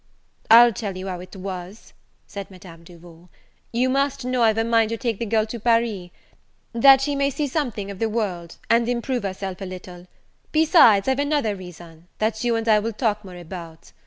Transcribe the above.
"I'll tell you how it was," said Madame Duval: "you must know I've a mind to take the girl to Paris, that she may see something of the world, and improve herself a little; besides, I've another reason, that you and I will talk more about.